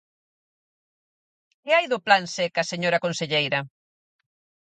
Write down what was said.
¿Que hai do Plan seca, señora conselleira?